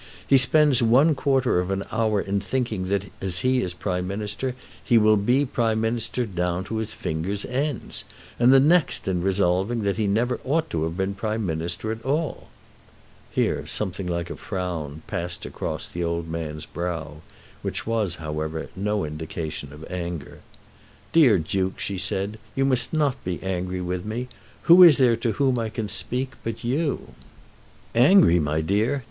He spends one quarter of an hour in thinking that as he is Prime Minister he will be Prime Minister down to his fingers' ends, and the next in resolving that he never ought to have been Prime Minister at all." Here something like a frown passed across the old man's brow, which was, however, no indication, of anger. "Dear Duke," she said, "you must not be angry with me. Who is there to whom I can speak but you?" "Angry, my dear!